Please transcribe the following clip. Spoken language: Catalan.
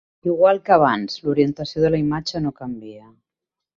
Igual que abans, l'orientació de la imatge no canvia.